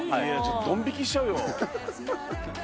ドン引きしちゃうよ。